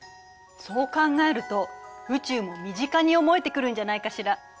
そう考えると宇宙も身近に思えてくるんじゃないかしら。